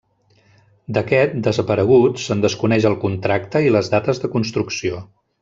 D’aquest, desaparegut, se’n desconeix el contracte i les dates de construcció.